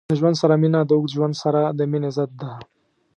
د ژوند سره مینه د اوږد ژوند سره د مینې ضد ده.